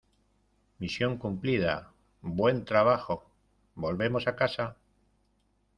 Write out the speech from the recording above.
Misión cumplida. Buen trabajo . Volvemos a casa .